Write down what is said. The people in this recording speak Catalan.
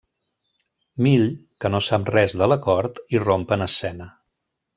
Mill, que no sap res de l'acord, irromp en escena.